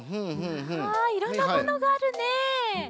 いろんなモノがあるね。